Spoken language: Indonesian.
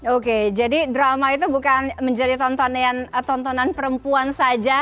oke jadi drama itu bukan menjadi tontonan perempuan saja